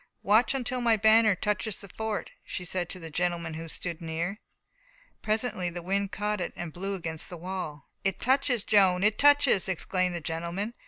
"Watch until my banner touches the fort," she said to a gentleman who stood near. Presently the wind caught it and blew it against the wall. "It touches, Joan, it touches!" exclaimed the gentleman.